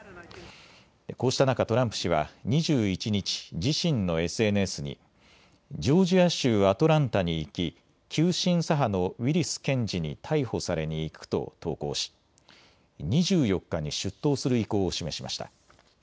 こうした中、トランプ氏は２１日、自身のＳＮＳにジョージア州アトランタに行き急進左派のウィリス検事に逮捕されに行くと投稿し２４日に出頭する意向を示しました。